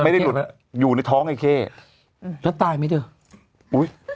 ไม่ได้หลุดอยู่ในท้องไอ้เข้แล้วตายมั้ยเดี๋ยวอุ้ย